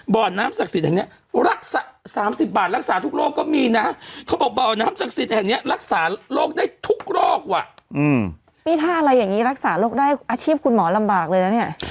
พี่ถ้าอะไรแบบนี้รักษาโรคได้อาชีพคุณหมอดับบากเลยนะเนี่ย